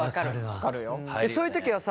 そういう時はさ